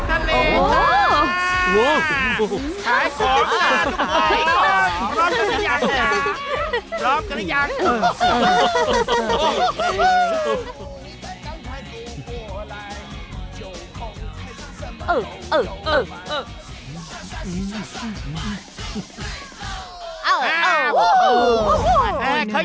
อาหารทะเลตา